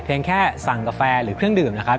แค่สั่งกาแฟหรือเครื่องดื่มนะครับ